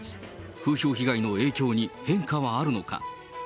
風評被害の影響に変化はあるのか。